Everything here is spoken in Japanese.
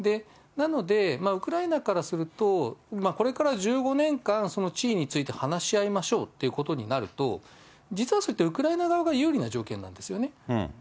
なので、ウクライナからすると、これから１５年間、その地位について話し合いましょうということになると、実はそれってウクライナ側が有利な条件なんですよね。